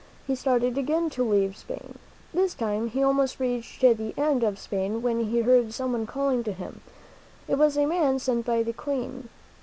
He started again to leave Spain. This time he almost reached the end of Spain when he heard someone calling to him. It was a man sent by the Queen.